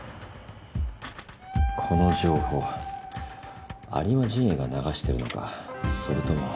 この情報有馬陣営が流してるのかそれとも。